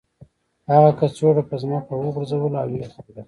هغه کڅوړه په ځمکه وغورځوله او ویې خندل